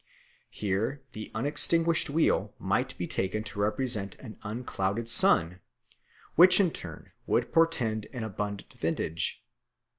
Here the unextinguished wheel might be taken to represent an unclouded sun, which in turn would portend an abundant vintage.